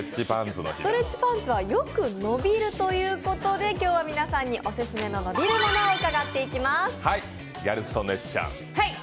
ストレッチパンツはよく伸びるということで、今日は皆さんにオススメの伸びる物を伺っていきます。